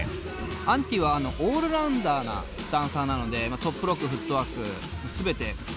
Ａｎｔｉはオールラウンダーなダンサーなのでトップロックフットワーク全てやってきます。